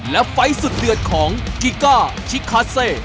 และไฟล์สุดเดือดของกีก้าชิคาเซ